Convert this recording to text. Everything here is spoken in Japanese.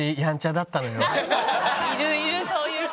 いるいるそういう人。